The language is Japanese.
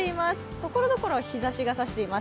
ところどころ日ざしが差しています。